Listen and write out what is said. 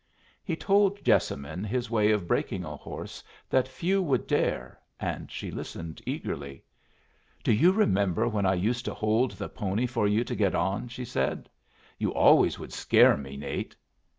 He told Jessamine his way of breaking a horse that few would dare, and she listened eagerly. "Do you remember when I used to hold the pony for you to get on?" she said. "You always would scare me, Nate!"